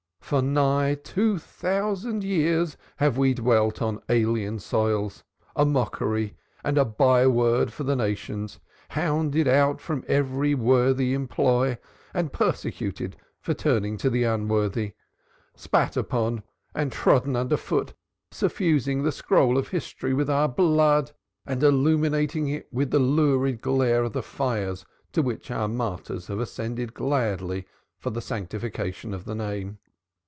For nigh two thousand years have we dwelt on alien soils, a mockery and a byword for the nations, hounded out from every worthy employ and persecuted for turning to the unworthy, spat upon and trodden under foot, suffusing the scroll of history with our blood and illuminating it with the lurid glare of the fires to which our martyrs have ascended gladly for the Sanctification of the Name.